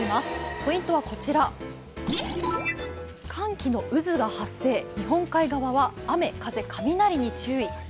ポイントはこちら、寒気の渦が発生日本海側は雨・風・雷に注意。